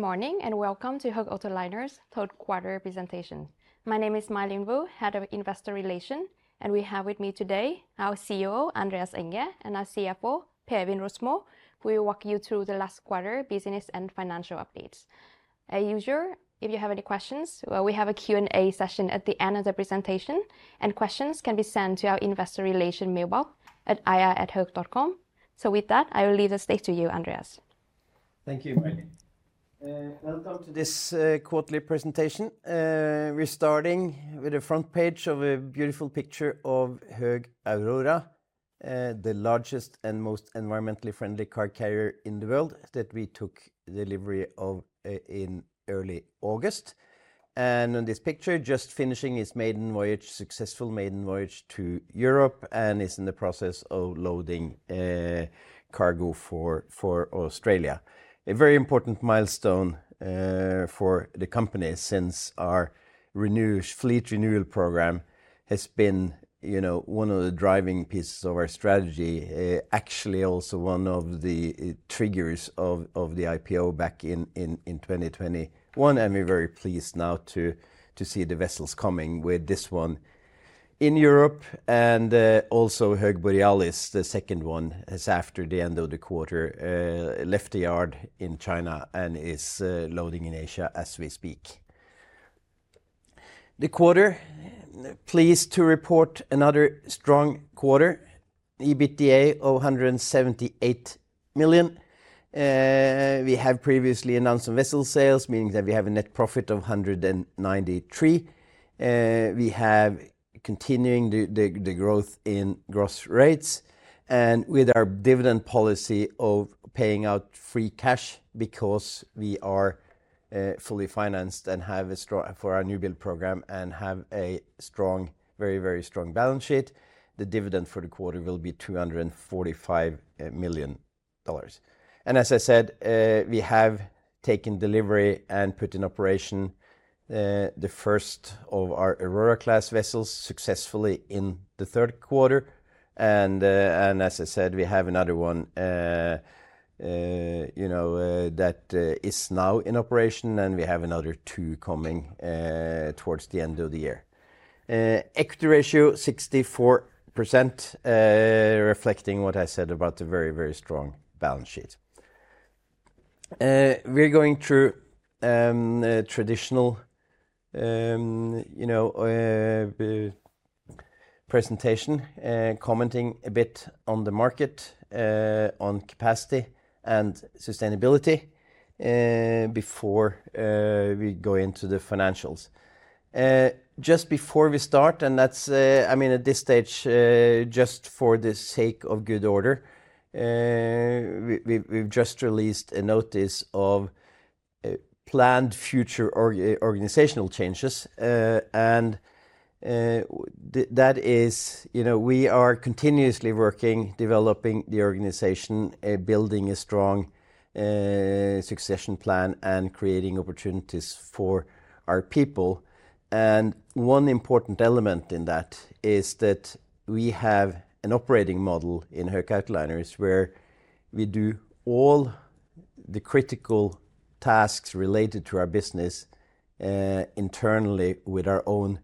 Good morning, and welcome to Höegh Autoliners' third quarter presentation. My name is My Linh Vu, head of Investor Relations, and we have with me today our CEO, Andreas Enger, and our CFO, Per Øivind Rosmo, who will walk you through the last quarter business and financial updates. As usual, if you have any questions, well, we have a Q&A session at the end of the presentation, and questions can be sent to our investor relations mailbox at ir@hoegh.com. So with that, I will leave the stage to you, Andreas. Thank you, My Linh. Welcome to this quarterly presentation. We're starting with the front page of a beautiful picture of Höegh Autoliners, the largest and most environmentally friendly car carrier in the world that we took delivery of in early August. On this picture, just finishing its maiden voyage, successful maiden voyage to Europe, and is in the process of loading cargo for Australia. A very important milestone for the company, since our fleet renewal program has been, you know, one of the driving pieces of our strategy, actually, also one of the triggers of the IPO back in 2020. We're very pleased now to see the vessels coming with this one in Europe and also Höegh Borealis, the second one, has after the end of the quarter left the yard in China and is loading in Asia as we speak. The quarter, pleased to report another strong quarter, EBITDA of $178 million. We have previously announced some vessel sales, meaning that we have a net profit of $193 million. We have continuing the growth in gross rates and with our dividend policy of paying out free cash because we are fully financed and have a strong [position] our newbuild program and have a strong, very, very strong balance sheet. The dividend for the quarter will be $245 million. As I said, we have taken delivery and put in operation the first of our Aurora class vessels successfully in the third quarter. As I said, we have another one, you know, that is now in operation, and we have another two coming towards the end of the year. Equity ratio 64%, reflecting what I said about the very, very strong balance sheet. We're going through a traditional, you know, presentation, commenting a bit on the market, on capacity and sustainability, before we go into the financials. Just before we start, and that's, I mean, at this stage, just for the sake of good order, we've just released a notice of planned future organizational changes. And that is, you know, we are continuously working, developing the organization, building a strong succession plan, and creating opportunities for our people. And one important element in that is that we have an operating model in Höegh Autoliners, where we do all the critical tasks related to our business, internally with our own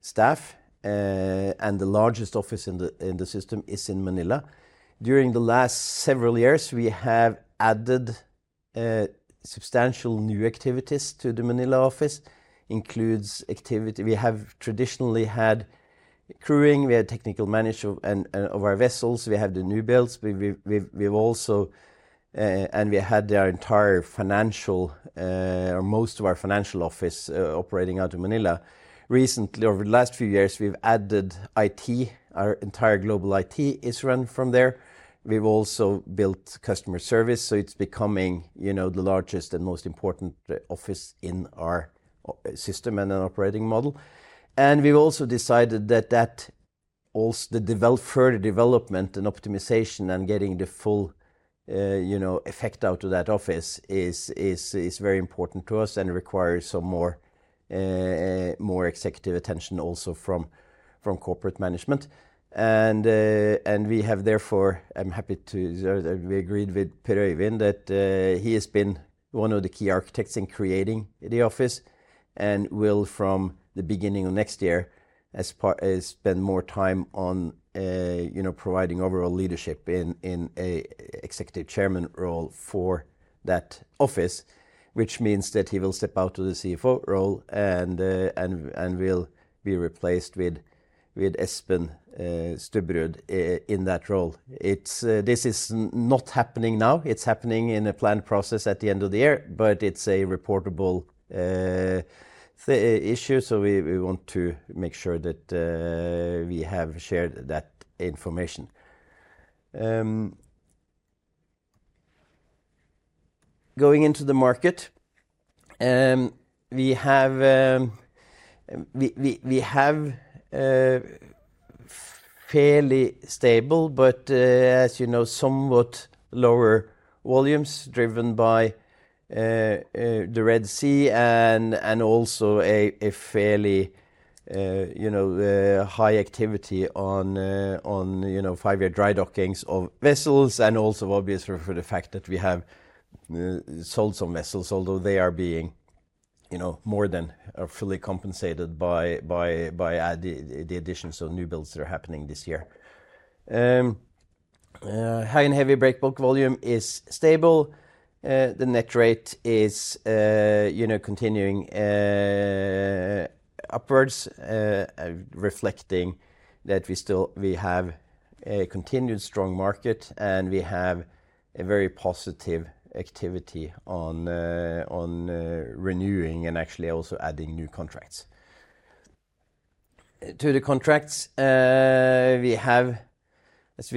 staff, and the largest office in the system is in Manila. During the last several years, we have added substantial new activities to the Manila office, includes activity we have traditionally had crewing, we had technical management of and of our vessels, we have the newbuilds. We, we've also and we had our entire financial or most of our financial office operating out of Manila. Recently, over the last few years, we've added IT. Our entire global IT is run from there. We've also built customer service, so it's becoming, you know, the largest and most important office in our system and our operating model. And we've also decided that the further development and optimization and getting the full, you know, effect out of that office is very important to us and requires some more executive attention also from corporate management. And we have therefore, I'm happy to share that we agreed with Per Øivind that he has been one of the key architects in creating the office and will, from the beginning of next year, as part spend more time on, you know, providing overall leadership in a executive chairman role for that office. Which means that he will step out of the CFO role and will be replaced with Espen Stubrud in that role. It's. This is not happening now. It's happening in a planned process at the end of the year, but it's a reportable issue, so we want to make sure that we have shared that information. Going into the market, we have fairly stable, but, as you know, somewhat lower volumes driven by the Red Sea and also a fairly-... You know, high activity on, on, you know, five-year dry dockings of vessels and also obviously for the fact that we have sold some vessels, although they are being, you know, more than fully compensated by the additions of newbuilds that are happening this year. High and heavy break bulk volume is stable. The net rate is, you know, continuing upwards, reflecting that we have a continued strong market, and we have a very positive activity on, on renewing and actually also adding new contracts. To the contracts, we have as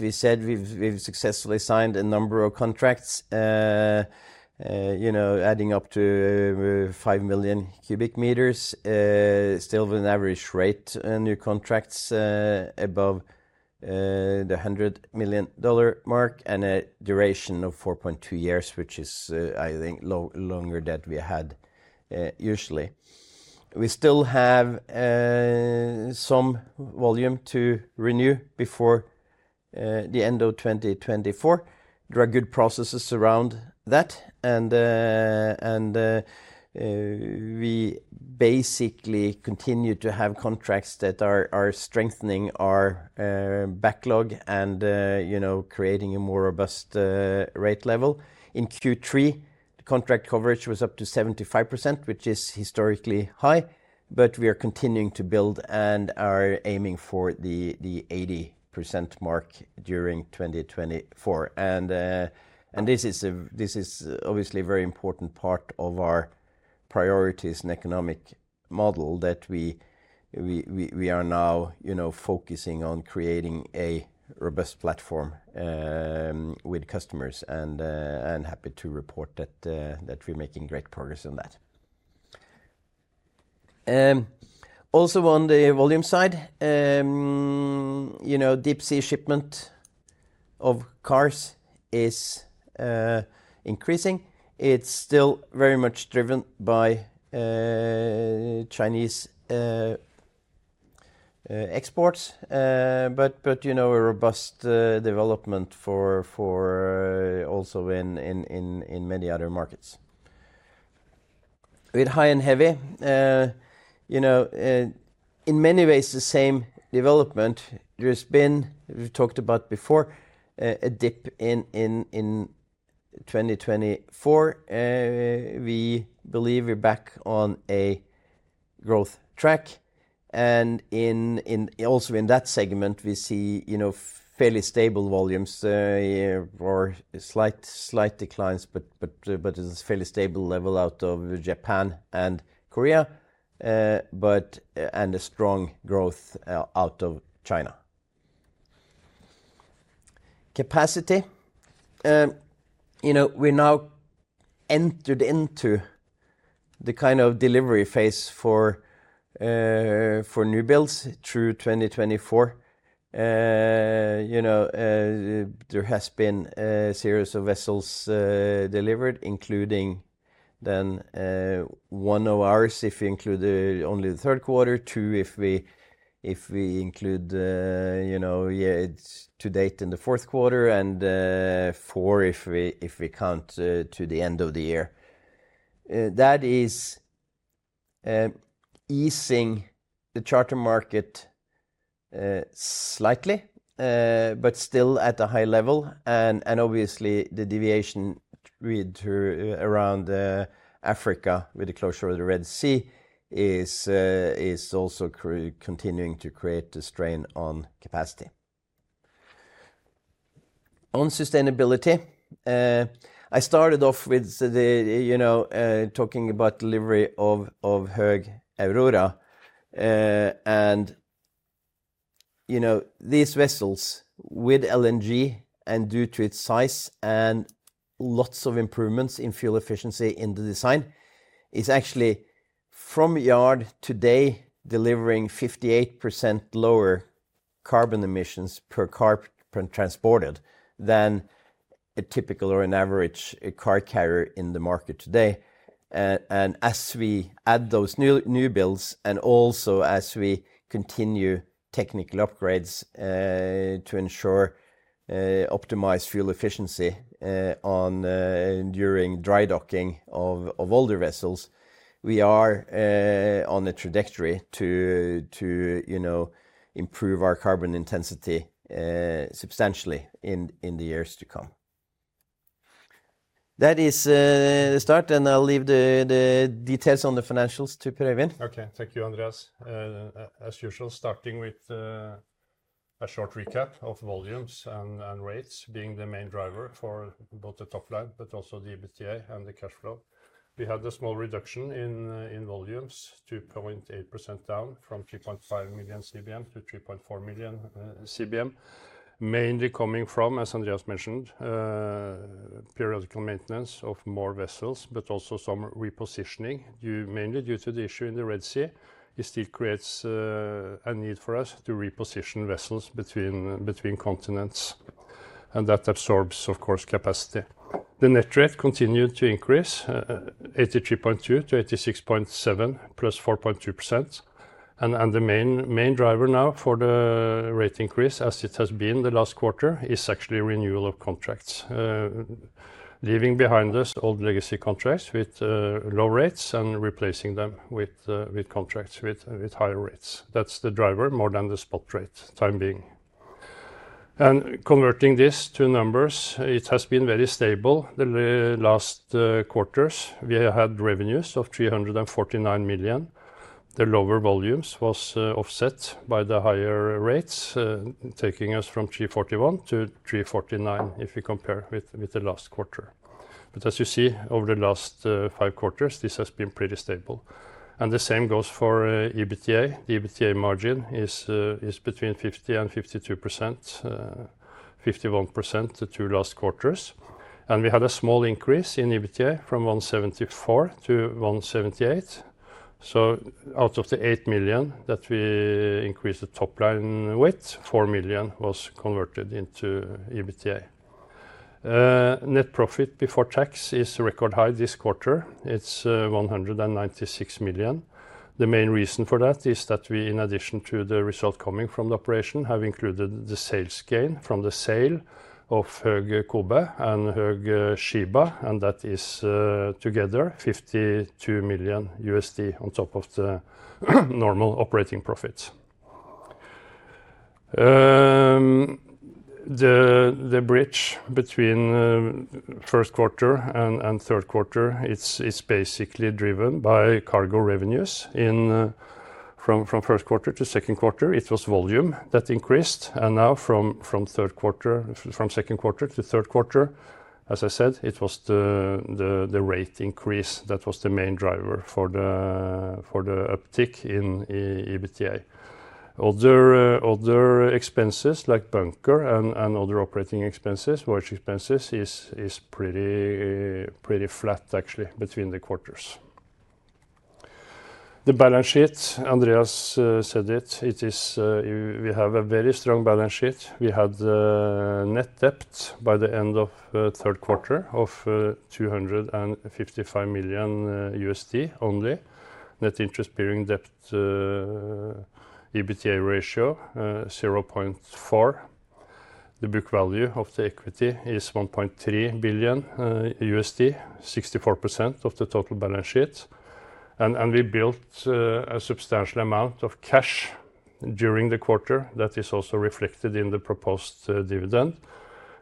we said, we've successfully signed a number of contracts, you know, adding up to 5 million cubic meters. Still with an average rate, new contracts above the $100 million mark, and a duration of 4.2 years, which is, I think, longer than we had usually. We still have some volume to renew before the end of 2024. There are good processes around that, and we basically continue to have contracts that are strengthening our backlog and, you know, creating a more robust rate level. In Q3, the contract coverage was up to 75%, which is historically high, but we are continuing to build and are aiming for the 80% mark during 2024. This is obviously a very important part of our priorities and economic model that we are now, you know, focusing on creating a robust platform with customers and happy to report that we're making great progress on that. Also on the volume side, you know, deep sea shipment of cars is increasing. It's still very much driven by Chinese exports, but you know, a robust development for also in many other markets. With high and heavy, you know, in many ways, the same development there's been. We've talked about before, a dip in 2024. We believe we're back on a growth track, and also in that segment, we see, you know, fairly stable volumes, or slight declines, but it's fairly stable level out of Japan and Korea, but and a strong growth out of China. Capacity. You know, we now entered into the kind of delivery phase for newbuilds through twenty twenty-four. You know, there has been a series of vessels delivered, including then one of ours, if we include only the third quarter; two, if we include, you know, yeah, it's to date in the fourth quarter; and four, if we count to the end of the year. That is easing the charter market slightly, but still at a high level, and obviously the deviation route around Africa, with the closure of the Red Sea is also continuing to create a strain on capacity. On sustainability, I started off with the, you know, talking about delivery of Höegh Aurora. And you know, these vessels with LNG and due to its size and lots of improvements in fuel efficiency in the design, is actually from yard today delivering 58% lower carbon emissions per car per transported than a typical or an average car carrier in the market today. And as we add those newbuilds, and also as we continue technical upgrades to ensure optimized fuel efficiency during dry docking of older vessels, we are on a trajectory to you know improve our carbon intensity substantially in the years to come. That is the start, and I'll leave the details on the financials to Per Øivind. Okay, thank you, Andreas. As usual, starting with a short recap of volumes and rates being the main driver for both the top line, but also the EBITDA and the cash flow. We had a small reduction in volumes, 2.8% down from 3.5 million CBM to 3.4 million CBM. Mainly coming from, as Andreas mentioned, periodic maintenance of more vessels, but also some repositioning, mainly due to the issue in the Red Sea. It still creates a need for us to reposition vessels between continents and that absorbs, of course, capacity. The net rate continued to increase, 83.2%-86.7%, +4.2%. The main driver now for the rate increase, as it has been the last quarter, is actually renewal of contracts. Leaving behind us old legacy contracts with low rates and replacing them with contracts with higher rates. That's the driver more than the spot rate, time being. Converting this to numbers, it has been very stable. The last quarters, we have had revenues of $349 million. The lower volumes was offset by the higher rates, taking us from $341 million to $349 million if you compare with the last quarter. As you see, over the last 5 quarters, this has been pretty stable. The same goes for EBITDA. The EBITDA margin is between 50% and 52%, 51% the two last quarters. And we have a small increase in EBITDA from $174 million to $178 million. So out of the $8 million that we increased the top line with, $4 million was converted into EBITDA. Net profit before tax is a record high this quarter. It's $196 million. The main reason for that is that we, in addition to the result coming from the operation, have included the sales gain from the sale of Höegh Kobe and Höegh Chiba, and that is together $52 million on top of the normal operating profits. The bridge between first quarter and third quarter, it's basically driven by cargo revenues in... From first quarter to second quarter, it was volume that increased, and now from second quarter to third quarter, as I said, it was the rate increase that was the main driver for the uptick in EBITDA. Other expenses like bunker and other operating expenses, voyage expenses, is pretty flat, actually, between the quarters. The balance sheet, Andreas said it. It is, we have a very strong balance sheet. We had net debt by the end of third quarter of $255 million only. Net interest bearing debt EBITDA ratio zero point four. The book value of the equity is $1.3 billion, 64% of the total balance sheet. We built a substantial amount of cash during the quarter that is also reflected in the proposed dividend.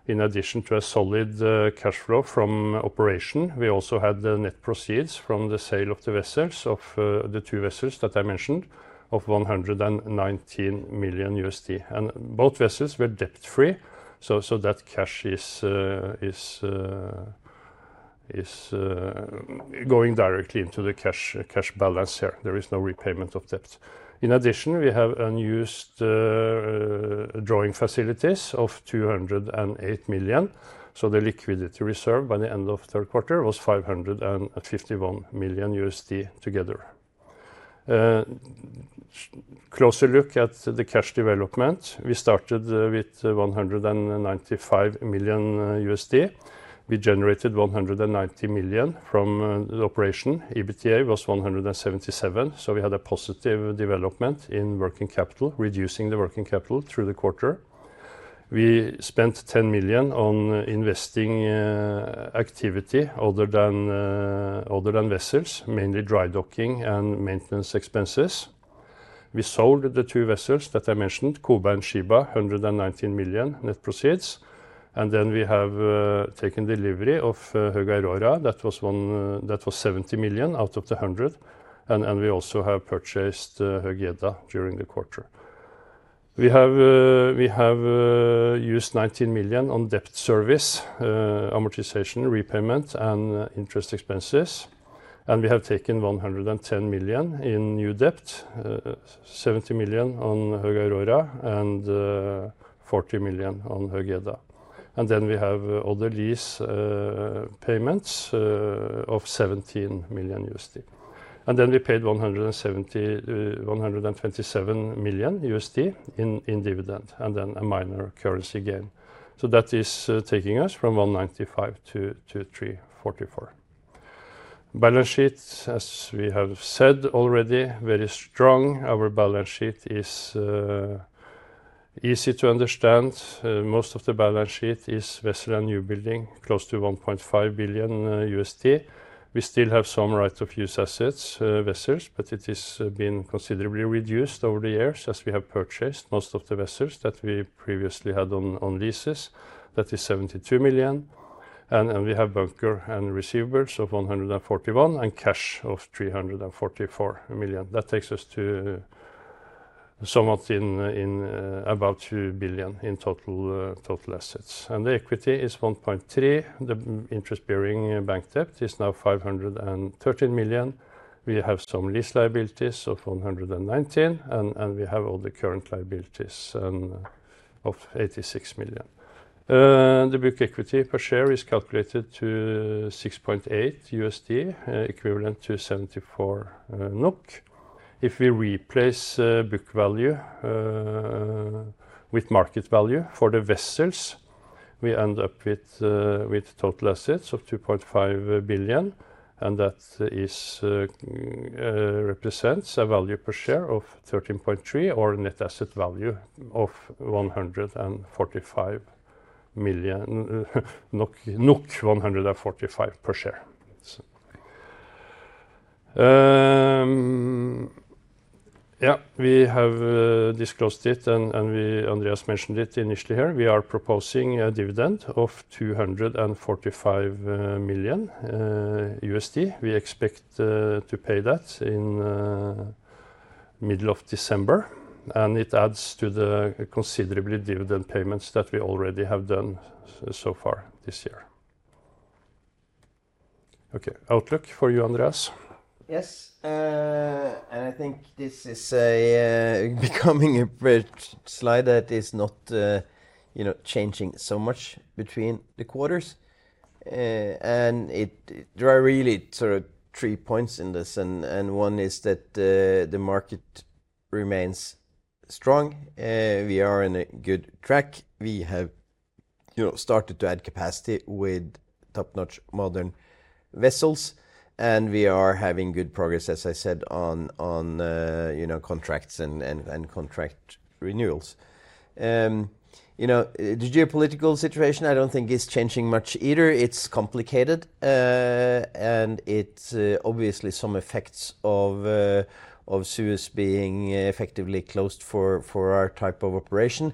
In addition to a solid cash flow from operation, we also had the net proceeds from the sale of the vessels, of the two vessels that I mentioned, of $119 million. Both vessels were debt-free, so that cash is going directly into the cash balance here. There is no repayment of debt. In addition, we have unused drawing facilities of $208 million, so the liquidity reserve by the end of third quarter was $551 million together. Closer look at the cash development. We started with $195 million. We generated $190 million from the operation. EBITDA was $177 million, so we had a positive development in working capital, reducing the working capital through the quarter. We spent $10 million on investing activity other than vessels, mainly dry docking and maintenance expenses. We sold the two vessels that I mentioned, Höegh Kobe and Höegh Chiba, $119 million net proceeds, and then we have taken delivery of Höegh Aurora. That was one, that was $70 million out of the hundred, and we also have purchased Höegh Jeddah during the quarter. We have used $19 million on debt service, amortization, repayment, and interest expenses. And we have taken $110 million in new debt, $70 million on Höegh Aurora and $40 million on Höegh Jeddah, and then we have other lease payments of $17 million. And then we paid $127 million in dividend, and then a minor currency gain. So that is taking us from 195 to 344. Balance sheet, as we have said already, very strong. Our balance sheet is easy to understand. Most of the balance sheet is vessel and newbuilding, close to $1.5 billion. We still have some right of use assets, vessels, but it is been considerably reduced over the years as we have purchased most of the vessels that we previously had on leases. That is $72 million. And we have bunker and receivables of $141 million, and cash of $344 million. That takes us to somewhat in about $2 billion in total assets. The equity is 1.3. The net interest-bearing bank debt is now $513 million. We have some lease liabilities of $119 million, and we have all the current liabilities of $86 million. The book equity per share is calculated to $6.8, equivalent to 74 NOK. If we replace book value with market value for the vessels, we end up with total assets of $2.5 billion, and that represents a value per share of 13.3, or net asset value of 145 million NOK, NOK 145 per share. Yeah, we have disclosed it, and we, Andreas mentioned it initially here. We are proposing a dividend of $245 million. We expect to pay that in middle of December, and it adds to the considerable dividend payments that we already have done so far this year. Okay, outlook for you, Andreas. Yes, and I think this is becoming a slide that is not, you know, changing so much between the quarters. And there are really sort of three points in this, and one is that the market remains strong. We are in a good track. We have, you know, started to add capacity with top-notch modern vessels, and we are having good progress, as I said, on, you know, contracts and contract renewals. You know, the geopolitical situation I don't think is changing much either. It's complicated, and it's obviously some effects of Suez being effectively closed for our type of operation.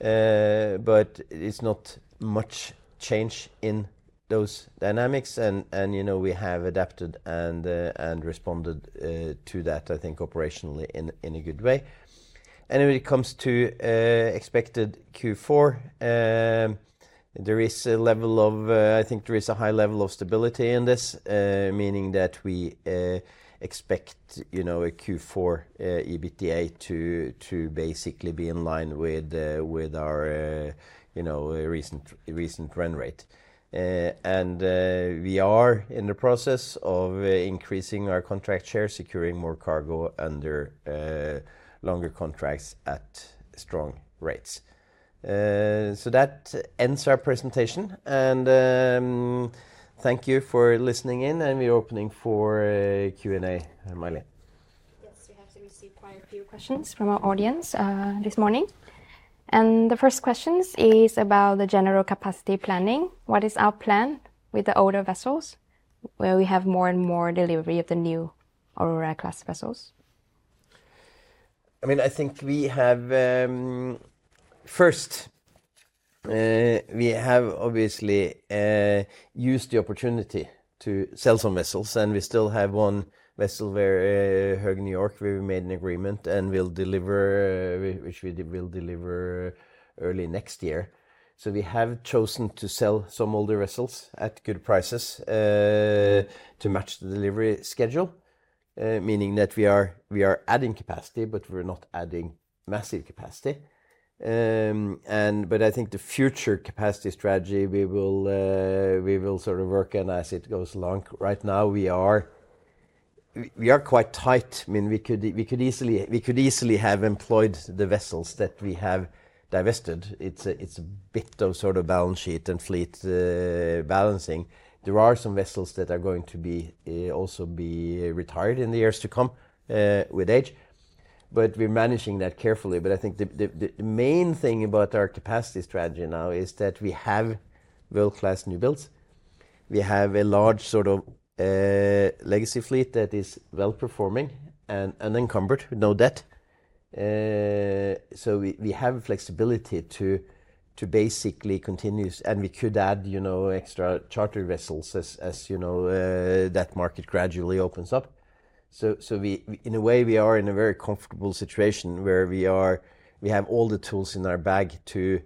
But it's not much change in those dynamics, and you know, we have adapted and responded to that, I think, operationally in a good way. And when it comes to expected Q4, there is a level of... I think there is a high level of stability in this, meaning that we expect, you know, a Q4 EBITDA to basically be in line with our, you know, recent run rate. And we are in the process of increasing our contract share, securing more cargo under longer contracts at strong rates. So that ends our presentation, and thank you for listening in, and we're opening for a Q&A, My Linh. Yes, we have received quite a few questions from our audience this morning, and the first questions is about the general capacity planning. What is our plan with the older vessels, where we have more and more delivery of the new Aurora class vessels? I mean, I think we have, first, we have obviously used the opportunity to sell some vessels, and we still have one vessel where, Höegh New York, we made an agreement and will deliver, which we will deliver early next year. So we have chosen to sell some older vessels at good prices, to match the delivery schedule, meaning that we are adding capacity, but we're not adding massive capacity. And but I think the future capacity strategy, we will sort of work on as it goes along. Right now, we are quite tight. I mean, we could easily have employed the vessels that we have divested. It's a bit of sort of balance sheet and fleet balancing. There are some vessels that are going to be also retired in the years to come with age, but we're managing that carefully. But I think the main thing about our capacity strategy now is that we have world-class newbuilds. We have a large sort of legacy fleet that is well-performing and encumbered, no debt. So we have flexibility to basically continue, and we could add, you know, extra charter vessels as, you know, that market gradually opens up. So in a way, we are in a very comfortable situation where we have all the tools in our bag to,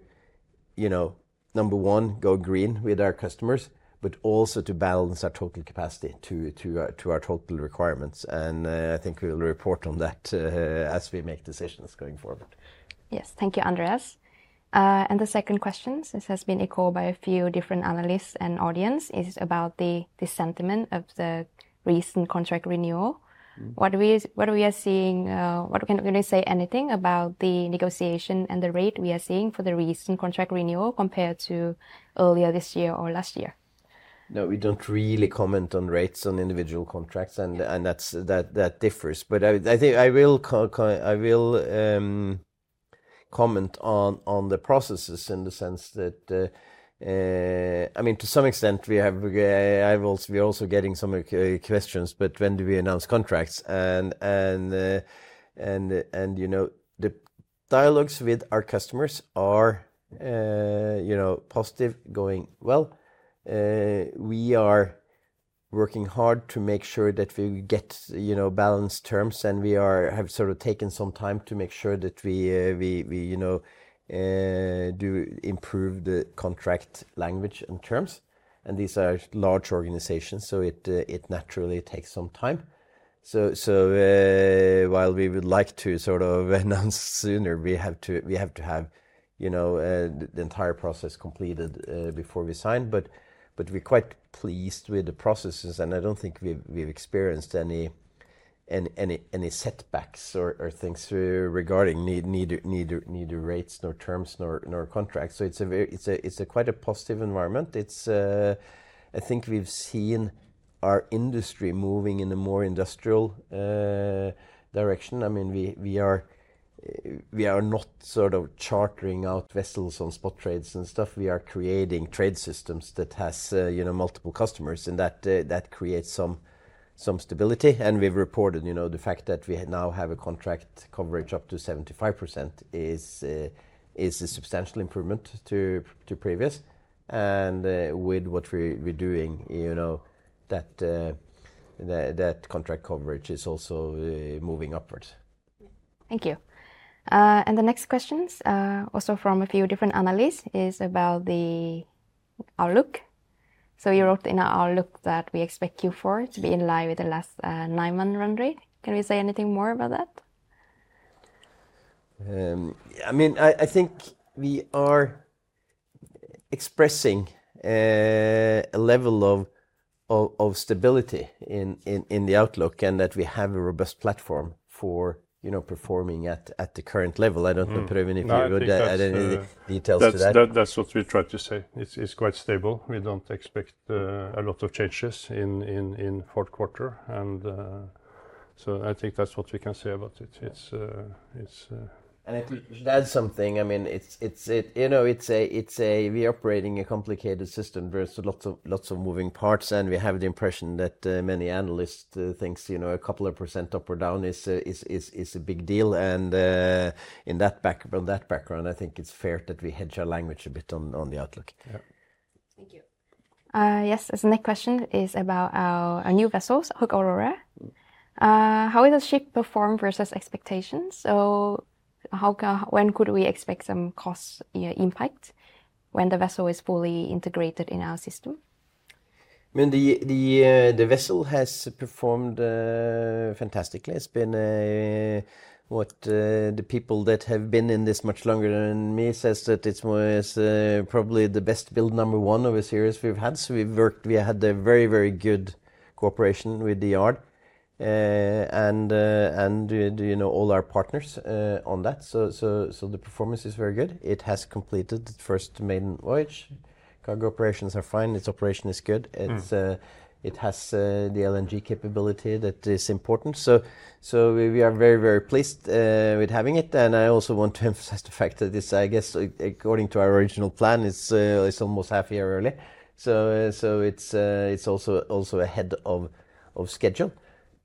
you know, number one, go green with our customers, but also to balance our total capacity to our total requirements. I think we will report on that, as we make decisions going forward. Yes. Thank you, Andreas, and the second question, this has been echoed by a few different analysts and audience, is about the sentiment of the recent contract renewal. Mm-hmm. What we are seeing... Can you say anything about the negotiation and the rate we are seeing for the recent contract renewal compared to earlier this year or last year? No, we don't really comment on rates on individual contracts, and that's that differs, but I think I will comment on the processes in the sense that I mean, to some extent, we have, we're also getting some questions, "But when do we announce contracts?" And you know, the dialogues with our customers are you know, positive, going well. We are working hard to make sure that we get you know, balanced terms, and we have sort of taken some time to make sure that we we you know do improve the contract language and terms, and these are large organizations, so it naturally takes some time. While we would like to sort of announce sooner, we have to have, you know, the entire process completed before we sign. We're quite pleased with the processes, and I don't think we've experienced any setbacks or things regarding neither rates nor terms, nor contracts. It's a quite positive environment. It's, I think we've seen our industry moving in a more industrial direction. I mean, we are not sort of chartering out vessels on spot trades and stuff. We are creating trade systems that has, you know, multiple customers, and that creates some stability. And we've reported, you know, the fact that we now have a contract coverage up to 75% is a substantial improvement to previous. And, with what we're doing, you know, that contract coverage is also moving upwards. Thank you. And the next questions also from a few different analysts is about the outlook. So you wrote in our outlook that we expect Q4 to be in line with the last nine-month run rate. Can you say anything more about that? I mean, I think we are expressing a level of stability in the outlook, and that we have a robust platform for, you know, performing at the current level. Mm. I don't know, Per Øivind, if you would add any details to that. That, that's what we tried to say. It's, it's quite stable. We don't expect a lot of changes in fourth quarter, and so I think that's what we can say about it. It's, it's- And if we should add something, I mean, it's. You know, it's a. We're operating a complicated system. There's lots of moving parts, and we have the impression that many analysts thinks, you know, a couple of % up or down is a big deal. And in that background, I think it's fair that we hedge our language a bit on the outlook. Yeah. Thank you. Yes, this next question is about our new vessels, Höegh Aurora. How does ship perform versus expectations? When could we expect some cost impact when the vessel is fully integrated in our system? I mean, the vessel has performed fantastically. It's been what the people that have been in this much longer than me says that it was probably the best build number one of a series we've had, so we had a very, very good cooperation with the yard, and you know, all our partners on that, so the performance is very good. It has completed the first maiden voyage. Cargo operations are fine. Its operation is good. Mm. It has the LNG capability that is important. So, we are very, very pleased with having it, and I also want to emphasize the fact that this, I guess, according to our original plan, is almost half a year early. So, it's also ahead of schedule.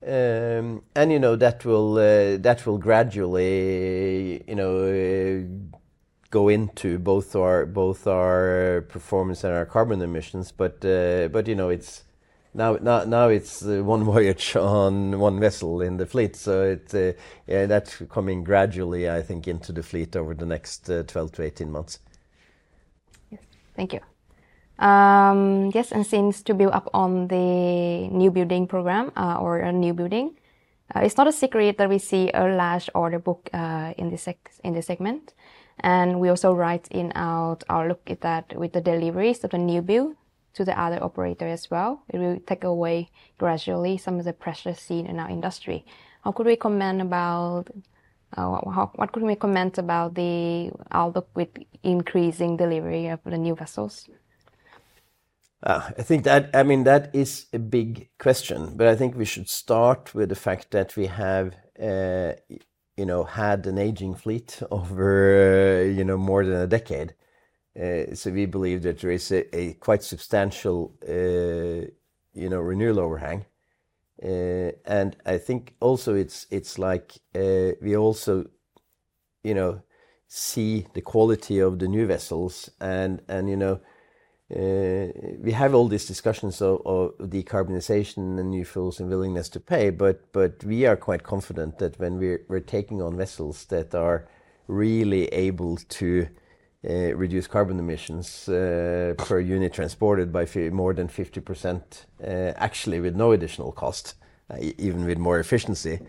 And you know, that will gradually, you know, go into both our performance and our carbon emissions, but you know, it's now one voyage on one vessel in the fleet. So that's coming gradually, I think, into the fleet over the next twelve to eighteen months. Yes, thank you. Yes, and seems to build up on the newbuilding program, or a newbuilding. It's not a secret that we see a large order book, in the segment, and we also write in our outlook at that with the deliveries of a new build to the other operator as well. It will take away gradually some of the pressure seen in our industry. How could we comment about, what could we comment about the outlook with increasing delivery of the new vessels? I think that, I mean, that is a big question, but I think we should start with the fact that we have, you know, had an aging fleet over, you know, more than a decade. So, we believe that there is a quite substantial, you know, renewal overhang. And I think also it's like, we also, you know, see the quality of the new vessels and, you know, we have all these discussions of decarbonization and new fuels and willingness to pay, but we are quite confident that when we're taking on vessels that are really able to reduce carbon emissions per unit transported by more than 50%, actually with no additional cost, even with more efficiency,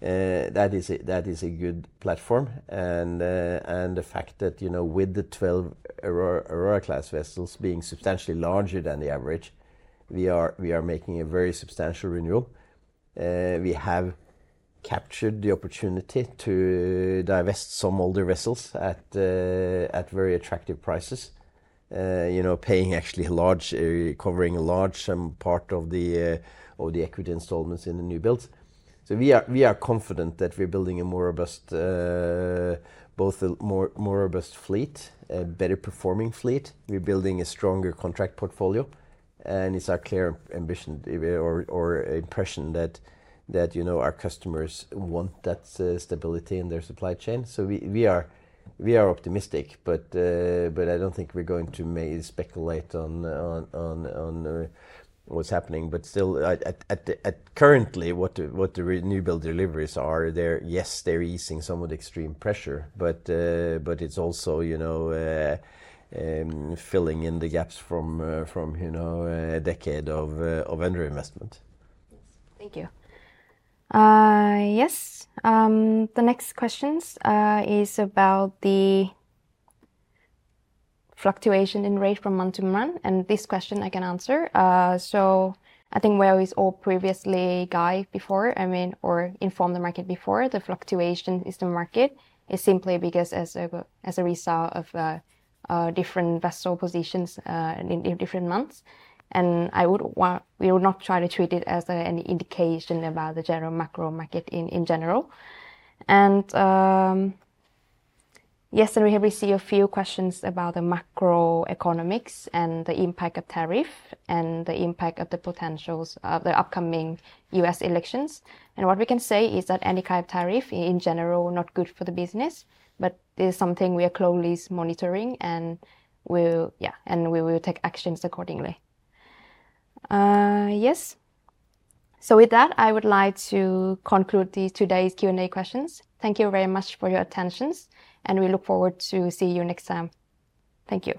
that is a good platform. The fact that, you know, with the 12 Aurora class vessels being substantially larger than the average, we are making a very substantial renewal. We have captured the opportunity to divest some older vessels at very attractive prices, you know, paying actually a large, covering a large part of the equity installments in the newbuilds. We are confident that we're building a more robust, both a more robust fleet, a better performing fleet. We're building a stronger contract portfolio, and it's our clear ambition or impression that, you know, our customers want that stability in their supply chain. We are optimistic, but I don't think we're going to speculate on what's happening. But still, currently, what the newbuild deliveries are, they're. Yes, they're easing some of the extreme pressure, but it's also, you know, filling in the gaps from, you know, a decade of underinvestment. Thank you. Yes, the next questions is about the fluctuation in rate from month to month, and this question I can answer. So I think where we all previously guide before, I mean, or informed the market before, the fluctuation in the market is simply because as a result of different vessel positions in different months. And I would want- we would not try to treat it as any indication about the general macro market in general. And yesterday we received a few questions about the macroeconomics and the impact of tariff and the impact of the potentials of the upcoming US elections. And what we can say is that any kind of tariff in general, not good for the business, but it is something we are closely monitoring and we'll.. Yeah, and we will take actions accordingly. Yes. So, with that, I would like to conclude today's Q&A questions. Thank you very much for your attention, and we look forward to see you next time. Thank you.